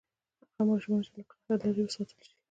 هغه ماشومان چې له قهر لرې وساتل شي.